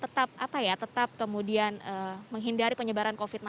tetap apa ya tetap kemudian menghindari penyebaran covid sembilan belas